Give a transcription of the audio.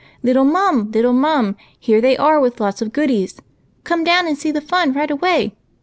" Little Mum ! little Mum ! here they are with lots of goodies ! Come down and see the fun right away